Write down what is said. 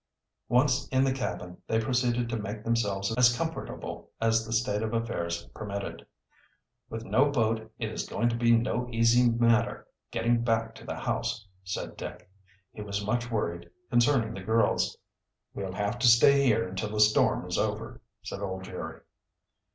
Once in the cabin they proceeded to make themselves as comfortable as the state of affairs permitted. "With no boat it is going to be no easy matter getting back to the house," said Dick. He was much worried concerning the girls. "We'll have to stay here until the storm is over," said old Jerry.